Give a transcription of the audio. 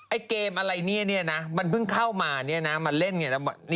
ไอ้เกมอะไรนี่นะมันเพิ่งเข้ามามาเล่น